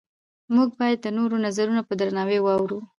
موږ باید د نورو نظرونه په درناوي واورو